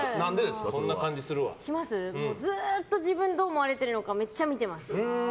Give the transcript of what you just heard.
ずっと自分がどう思われてるのかめっちゃ見てます。